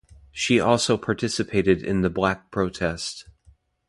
She also participated in the Black Protest.